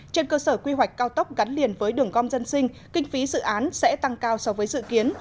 trên cơ sở quy hoạch cao tốc gắn liền với đường gom dân sinh kinh phí dự án sẽ tăng cao so với dự kiến